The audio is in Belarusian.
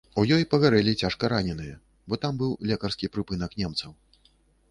У ёй пагарэлі цяжкараненыя, бо там быў лекарскі прыпынак немцаў.